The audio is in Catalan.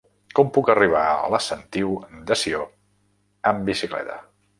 Com puc arribar a la Sentiu de Sió amb bicicleta?